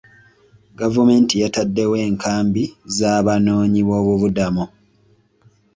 Gavumenti yataddewo enkambi z'abanoonyiboobubudamu.